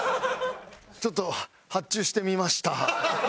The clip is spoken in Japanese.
ちょっと発注してみました。